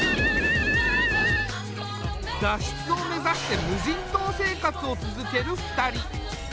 脱出を目指して無人島生活を続ける２人。